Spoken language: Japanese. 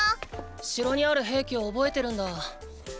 城にある兵器を覚えてるんだ。